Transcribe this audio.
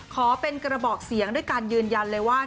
ขอเป็นกระบอกเสียงด้วยการยืนยันเลยว่า